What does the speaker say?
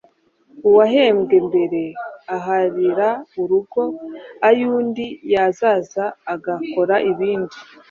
uwahembwe mbere ahahira urugo ay’undi yazaza agakora ibindi.